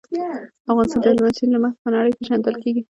افغانستان د هلمند سیند له مخې په نړۍ پېژندل کېږي.